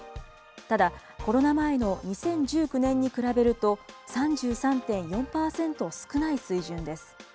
ただ、コロナ前の２０１９年に比べると、３３．４％少ない水準です。